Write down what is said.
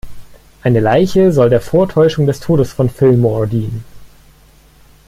Eine Leiche soll der Vortäuschung des Todes von Fillmore dienen.